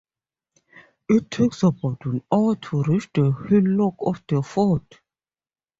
It takes about an hour to reach the hillock of the fort.